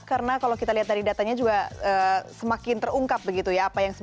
karena kalau kita lihat dari datanya juga semakin terungkap begitu ya